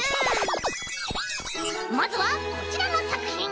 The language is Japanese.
まずはこちらのさくひん！